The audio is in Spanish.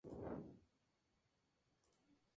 Desagua finalmente en el río Ussuri por la derecha.